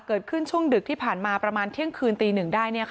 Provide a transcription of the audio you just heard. เกิดขึ้นช่วงดึกที่ผ่านมาประมาณเที่ยงคืนตีหนึ่งได้